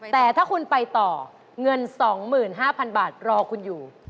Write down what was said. แต่ถ้าคุณไปต่อเงิน๒๕๐๐๐บาทรอคุณอยู่